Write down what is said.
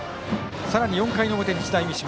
さらに４回の表、日大三島。